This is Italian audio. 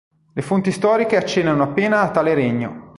Le fonti storiche accennano appena a tale regno.